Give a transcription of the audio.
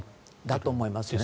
だと思いますね。